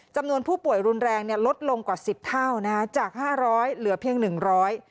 จำนวนผู้ป่วยรุนแรงเนี่ยลดลงกว่าสิบเท่านะคะจากห้าร้อยเหลือเพียงหนึ่งร้อย